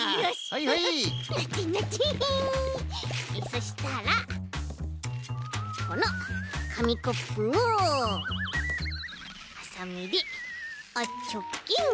そしたらこのかみコップをはさみであっちょっきん。